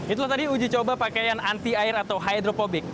itulah tadi uji coba pakaian anti air atau hydropobic